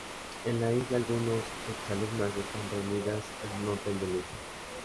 En la isla algunos ex alumnas están reunidas en un hotel de lujo.